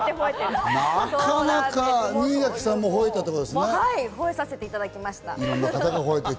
吠えさせていただきました。